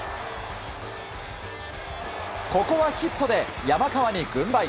ここはヒットで山川に軍配。